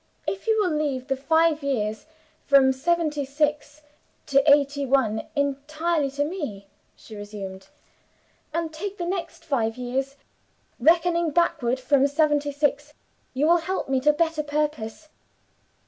"If you will leave the five years, from 'seventy six to 'eighty one, entirely to me," she resumed, "and take the next five years, reckoning backward from 'seventy six, you will help me to better purpose.